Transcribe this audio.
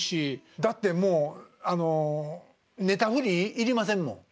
だってもうあのネタ振りいりませんもん。